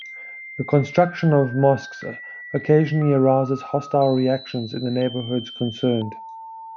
The construction of mosques occasionally arouses hostile reactions in the neighbourhoods concerned.